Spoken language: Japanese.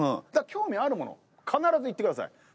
だから興味あるもの必ずいって下さい。